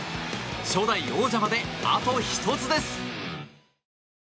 初代王者まであと１つです。